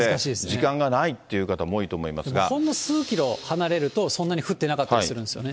時間がないという方も多いと本の数キロ離れると、そんなに降ってなかったりするんですよね。